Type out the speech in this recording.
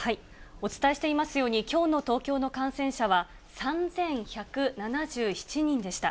お伝えしていますように、きょうの東京の感染者は、３１７７人でした。